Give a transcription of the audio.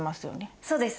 そうです。